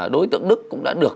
đối tượng đức cũng đã được